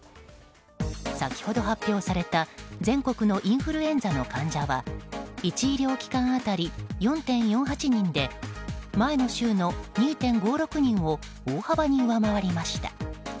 先ほど発表された全国のインフルエンザの患者は１医療機関当たり４．４８人で前の週の２．５６人を大幅に上回りました。